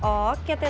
kalau ada kerjaan